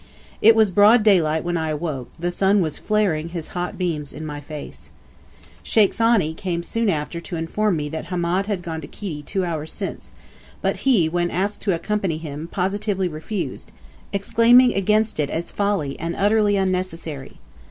It was broad daylight when I awoke; the sun was flaring his hot beams in my face. Sheikh Thani came soon after to inform me that Hamed had gone to Kiti two hours since; but he, when asked to accompany him, positively refused, exclaiming against it as folly, and utterly unnecessary.